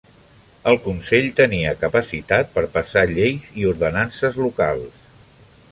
El Consell tenia capacitat per passar lleis i ordenances locals.